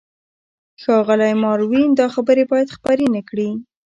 ښاغلی ماروین، دا خبرې باید خپرې نه کړې.